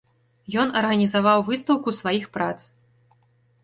Ён арганізаваў выстаўку сваіх прац.